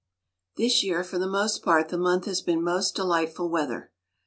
This year, for the most part, the month has been most delightful weather.